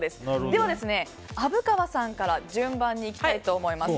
では、虻川さんから順番にいきたいと思います。